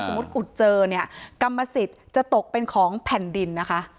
ขุดเจอเนี่ยกรรมสิทธิ์จะตกเป็นของแผ่นดินนะคะ